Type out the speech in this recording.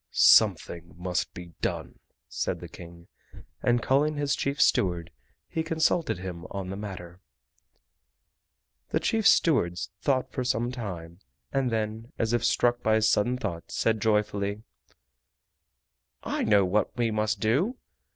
"Something must be done," said the King, and calling his chief steward he consulted him on the matter. The chief steward thought for some time, and then, as if struck by a sudden thought, said joyfully: "I know what we must do!